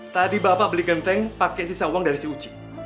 tadi bapak beli genteng pakai sisa uang dari si uci